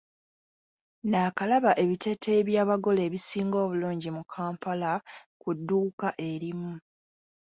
Nnaakalaba ebiteeteeyi by'abagole ebisinga obulungi mu kampala ku dduuka erimu.